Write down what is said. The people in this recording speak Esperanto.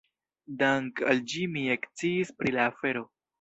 Dank' al ĝi mi eksciis pri la afero.